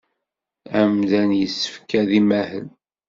Amdan yessefk ad imahel.